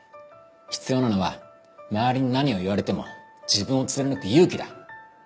必要なのは周りに何を言われても自分を貫く勇気だ。